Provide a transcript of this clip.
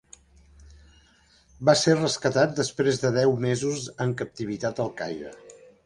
Va ser rescatat després de deu mesos en captivitat al Caire.